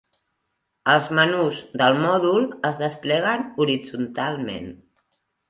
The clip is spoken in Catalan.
Els menús del mòdul es despleguen horitzontalment.